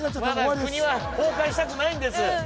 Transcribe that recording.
まだ国は崩壊したくないんです